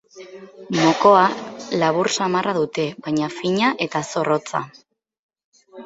Mokoa labur samarra dute, baina fina eta zorrotza.